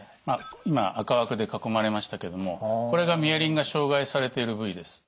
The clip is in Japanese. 今赤枠で囲まれましたけどもこれがミエリンが傷害されている部位です。